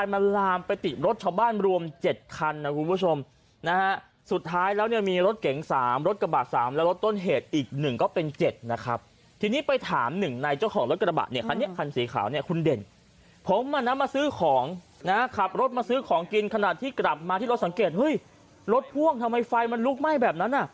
มันลามไปติดรถชาวบ้านรวม๗คันนะคุณผู้ชมนะฮะสุดท้ายแล้วเนี่ยมีรถเก๋งสามรถกระบะสามและรถต้นเหตุอีกหนึ่งก็เป็น๗นะครับทีนี้ไปถามหนึ่งในเจ้าของรถกระบะเนี่ยคันนี้คันสีขาวเนี่ยคุณเด่นผมอ่ะนะมาซื้อของนะขับรถมาซื้อของกินขนาดที่กลับมาที่รถสังเกตเฮ้ยรถพ่วงทำไมไฟมันลุกไหม้แบบนั้นอ่ะ